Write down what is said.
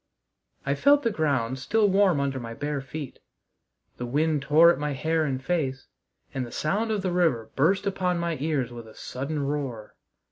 I felt the ground still warm under my bare feet; the wind tore at my hair and face; and the sound of the river burst upon my ears with a sudden roar.